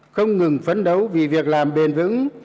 không ngừng phấn đấu vì việc làm bền vững